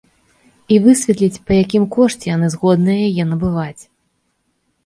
І высветліць, па якім кошце яны згодныя яе набываць.